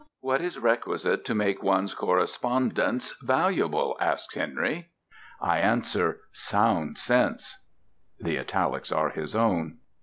"What is requisite to make one's correspondence valuable?" asks Henry. "I answer, sound sense." (The italics are his own.)